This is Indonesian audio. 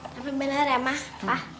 tapi bener ya ma pa